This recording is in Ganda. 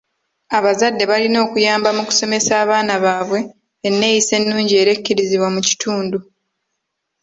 Abazadde balina okuyamba mu kusomesa abaana baabwe enneyisa ennungi era ekirizibwa mu kitundu.